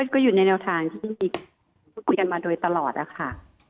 ก็อยู่ในแนวทางที่คุยกันมาโดยตลอดอะค่ะ